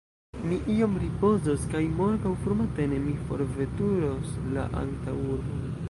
Mi iom ripozos kaj morgaŭ frumatene mi forveturos la antaŭurbon.